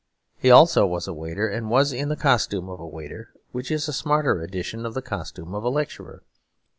He also was a waiter, and was in the costume of a waiter, which is a smarter edition of the costume of a lecturer.